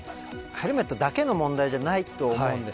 ヘルメットだけの問題じゃないと思うんです。